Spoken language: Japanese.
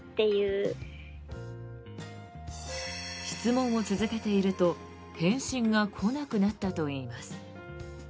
質問を続けていると返信が来なくなったといいます。